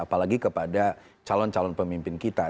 apalagi kepada calon calon pemimpin kita